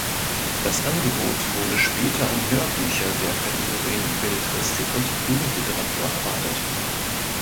Das Angebot wurde später um Hörbücher der Kategorien Belletristik und Jugendliteratur erweitert.